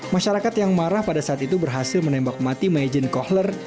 masyarakat yang marah pada saat itu berhasil menembak mati maijen kohler